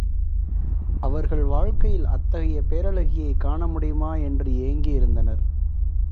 அவர்கள் வாழ்க்கையில் அத்தகைய பேரழகியைக் காண முடியுமா என்று ஏங்கி இருந்தனர்.